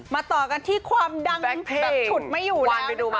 ต่อกันที่ความดังแบบฉุดไม่อยู่เลย